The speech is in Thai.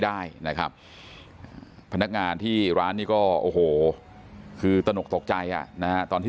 ได้นะครับพนักงานที่ร้านนี่ก็โอ้โหคือตนกตกใจอ่ะนะฮะตอนที่